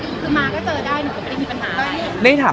คือมาก็เจอได้หนูก็ไม่ได้มีปัญหา